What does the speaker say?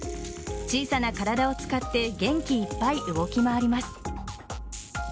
小さな体を使って元気いっぱい動き回ります。